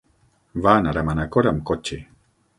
Va anar a Manacor amb cotxe.